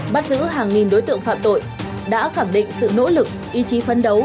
bắt giữ hàng nghìn đối tượng phạm tội đã khẳng định sự nỗ lực ý chí phấn đấu